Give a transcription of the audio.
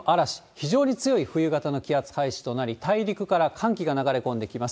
非常に強い冬型の気圧配置となり、大陸から寒気が流れ込んできます。